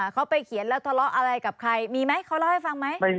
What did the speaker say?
เขาไปเขียนแล้วทะเลาะอะไรกับใครมีไหมเขาเล่าให้ฟังไหม